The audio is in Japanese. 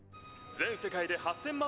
「全世界で８，０００万